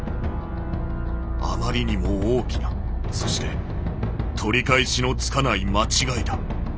あまりにも大きなそして取り返しのつかない間違いだ」。